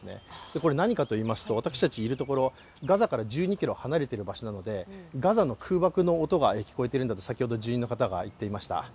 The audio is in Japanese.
これ何かといいますと私たちいるところガザから１２ｋｍ離れている場所なので、ガザの空爆の音が聞こえていると先ほど住人の方がおっしゃっていました。